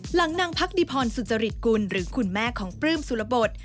หลังนางพักดีพรสุจริตกุลหรือคุณแม่ของปลื้มสุรบท